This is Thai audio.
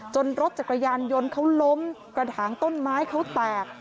รถจักรยานยนต์เขาล้มกระถางต้นไม้เขาแตก